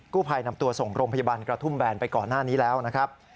ผู้ภัยนำตัวส่งโรงพยาบาลกระทุ่มแบนไปก่อนหน้านี้แล้วนะครับ